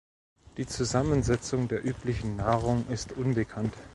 Die Zusammensetzung der üblichen Nahrung ist unbekannt.